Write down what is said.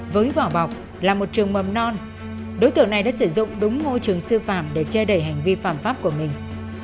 với vỏ bọc là một trường mầm non đối tượng này đã sử dụng đúng môi trường sư phạm để che đẩy hành vi phạm pháp của mình